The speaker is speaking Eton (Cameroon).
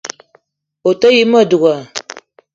O te yi ma douga